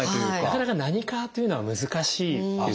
なかなか何科というのは難しいです。